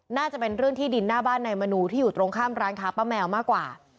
น่าจะเป็นเรื่องที่ดินหน้าบ้านนายมนูที่อยู่ตรงข้ามร้านค้าป้าแมวมากกว่า